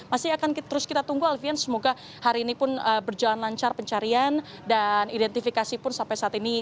masih akan terus kita tunggu alfian semoga hari ini pun berjalan lancar pencarian dan identifikasi pun sampai saat ini